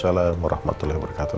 waalaikumsalam warahmatullahi wabarakatuh